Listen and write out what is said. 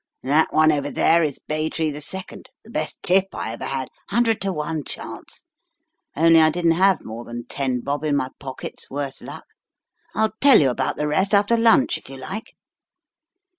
That one over there is Bay Tree II, the best tip I ever had, 100 to 1 chance. Only I didn't have more than ten bob in my pockets, worse luck. I'll tell you about the rest after lunch if you like."